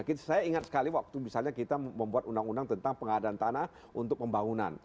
saya ingat sekali waktu misalnya kita membuat undang undang tentang pengadaan tanah untuk pembangunan